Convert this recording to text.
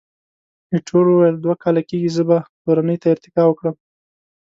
ایټور وویل، دوه کاله کېږي، زه به تورنۍ ته ارتقا وکړم.